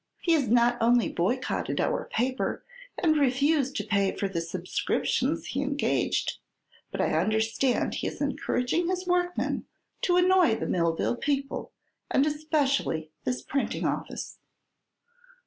He has not only boycotted our paper and refused to pay for the subscriptions he engaged, but I understand he is encouraging his workmen to annoy the Millville people, and especially this printing office."